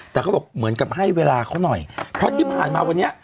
แต่เขาบอกเหมือนกับให้เวลาเขาหน่อยเพราะที่ผ่านมาวันนี้